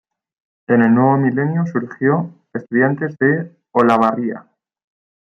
En el nuevo milenio surgió Estudiantes de Olavarría.